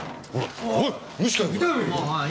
おい！